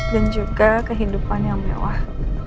juga kehidupan yang mewah